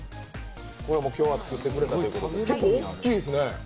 今日は作ってくれたということで結構大きいんですね。